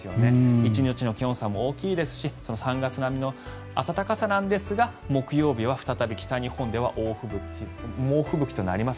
１日の気温差も大きいですし３月並みの暖かさですが木曜日は再び北日本では猛吹雪となります。